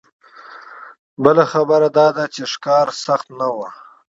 بله خبره دا ده چې ښکار سخت نه و.